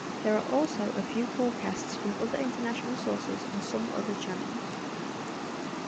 There are also a few forecasts from other International sources and some other channels.